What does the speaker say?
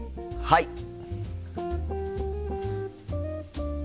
はい！